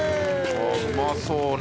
うまそうね。